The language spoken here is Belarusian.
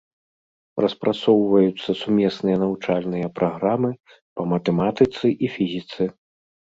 Распрацоўваюцца сумесныя навучальныя праграмы па матэматыцы і фізіцы.